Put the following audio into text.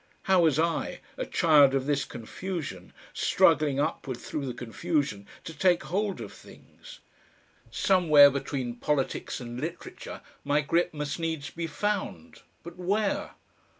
How was I, a child of this confusion, struggling upward through the confusion, to take hold of things? Somewhere between politics and literature my grip must needs be found, but where?